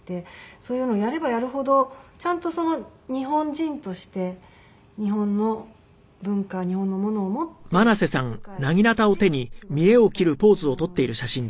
そういうのをやればやるほどちゃんと日本人として日本の文化日本のものを持って世界で仕事をしたいって思うように。